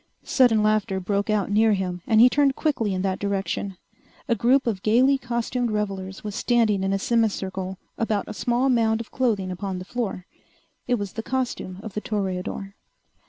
Sudden laughter broke out near him, and he turned quickly in that direction. A group of gaily costumed revelers was standing in a semi circle about a small mound of clothing upon the floor. It was the costume of the toreador.